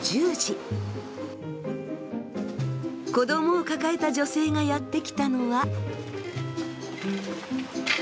子供を抱えた女性がやって来たのは。